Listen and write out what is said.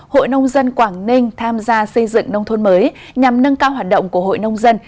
hội nông dân quảng ninh tham gia xây dựng nông thôn mới nhằm nâng cao hoạt động của hội nông dân